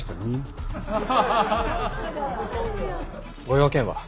ご用件は。